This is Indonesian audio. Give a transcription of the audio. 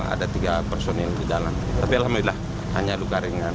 ada tiga personil di jalan tapi alhamdulillah hanya luka ringan